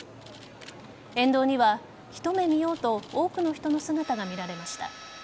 沿道には、一目見ようと多くの人の姿が見られました。